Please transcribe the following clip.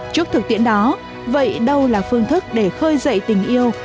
trước thực tiễn đó vậy đâu là phương thức để khơi dậy tình yêu